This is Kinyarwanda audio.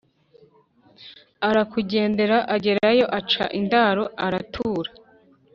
arakugendera agerayo aca indaro aratura.